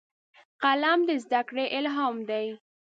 قلم د زدهکړې الهام دی